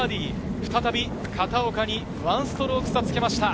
再び片岡に１ストローク差をつけました。